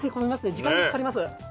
時間がかかります。